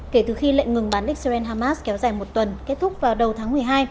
kể từ khi lệnh ngừng bắn israel hamas kéo dài một tuần kết thúc vào đầu tháng một mươi hai